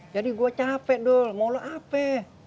jadi gue capek mau lu apa